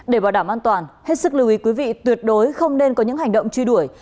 để bảo đảm an toàn hết sức lưu ý quý vị tuyệt đối không nên có những hành động truy đuổi